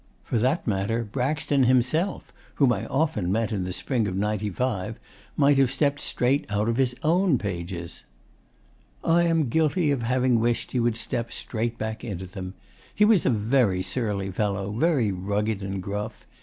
For that matter, Braxton himself, whom I met often in the spring of '95, might have stepped straight out of his own pages. I am guilty of having wished he would step straight back into them. He was a very surly fellow, very rugged and gruff.